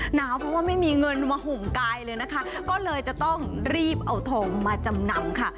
หนาวเพราะว่าไม่มีเงินมาห่มกายเลยนะคะก็เลยจะต้องรีบเอาทองมาจำนำค่ะ